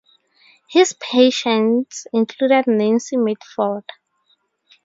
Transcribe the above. His patients included Nancy Mitford.